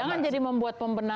jangan jadi membuat pembenaran